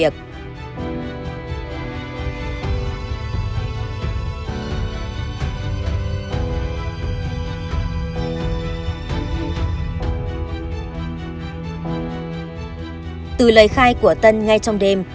từ lời khai của tân ngay trong đêm